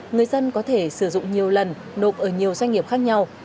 người dân có thể sử dụng nhiều lần nộp ở nhiều doanh nghiệp khác nhau